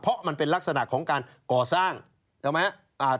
เพราะมันเป็นลักษณะของการก่อสร้างเข้าไหม